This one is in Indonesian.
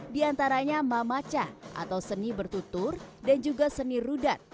diantaranya mamaca atau seni bertutur dan juga seni rudat